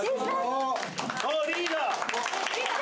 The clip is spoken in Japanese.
リーダー！